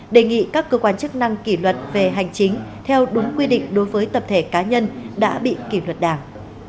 đề nghị các cơ quan chức năng kỷ luật về hành chính theo đúng quy định đối với tập thể cá nhân đã bị kỷ luật đảng